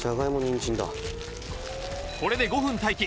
これで５分待機